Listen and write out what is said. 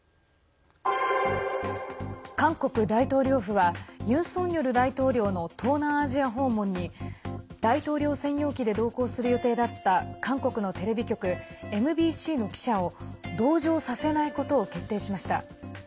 韓国大統領府はユン・ソンニョル大統領の東南アジア訪問に大統領専用機で同行する予定だった韓国のテレビ局ＭＢＣの記者を同乗させないことを決定しました。